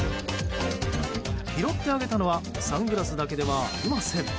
拾ってあげたのはサングラスだけではありません。